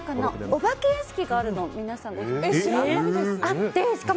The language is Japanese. お化け屋敷があるの皆さん、ご存じですか？